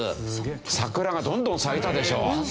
桜がどんどん咲いたでしょ。